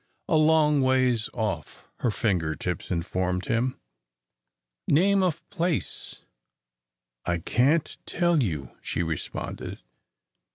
"A long ways off," her finger tips informed him. "Name of place?" "I can't tell you," she responded.